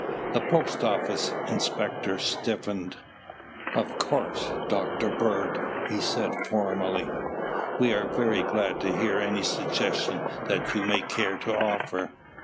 The Post Office inspector stiffened. "Of course, Dr. Bird," he said formally, "we are very glad to hear any suggestion that you may care to offer.